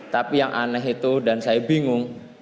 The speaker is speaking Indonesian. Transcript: tapi yang aneh itu dan saya bingung